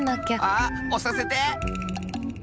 あっおさせて！